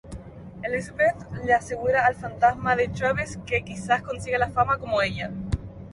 Elizabeth le asegura al fantasma de Travis que quizás consiga la fama como ella.